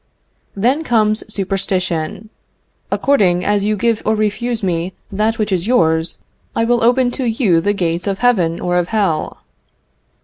Then comes superstition. "According as you give or refuse me that which is yours, I will open to you the gates of heaven or of hell."